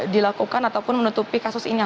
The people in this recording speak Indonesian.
dilakukan ataupun menutupi kasus ini